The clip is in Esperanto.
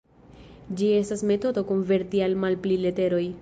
Ĝi estas metodo konverti al malpli leteroj.